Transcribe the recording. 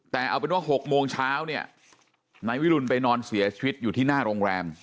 แต่เอาเป็นว่า๖โมงเช้าเนี่ยนายวิรุณไปนอนเสียชีวิตอยู่ที่หน้าโรงแรม